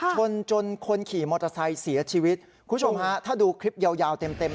คุณผู้ชมฮะถ้าดูคลิปยาวเต็ม